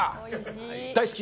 大好き。